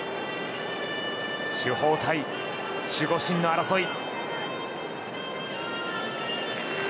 主砲対守護神の争い。